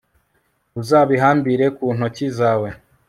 uzabihambire ku ntoki zawe